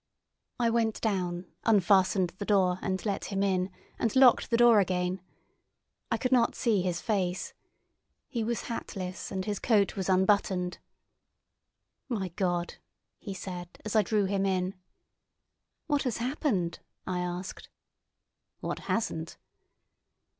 I went down, unfastened the door, and let him in, and locked the door again. I could not see his face. He was hatless, and his coat was unbuttoned. "My God!" he said, as I drew him in. "What has happened?" I asked. "What hasn't?"